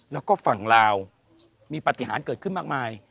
แล้วก็ฝั่งลาวมีปฏิหารเกิดขึ้นมากมาย